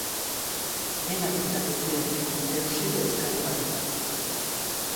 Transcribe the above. Dena kontatu zion, deus ere ezkutatu gabe.